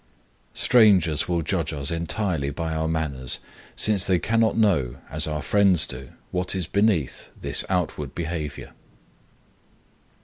Strangers will judge us entirely by our manners, since they cannot know, as our friends do, what is beneath this outward behavior.